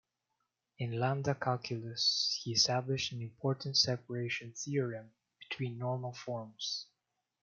In lambda-calculus, he established an important separation theorem between normal forms.